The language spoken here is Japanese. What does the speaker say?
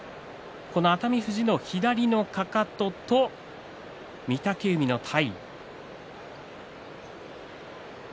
この熱海富士の左のかかとと御嶽海の体。